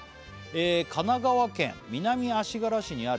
「神奈川県南足柄市にある」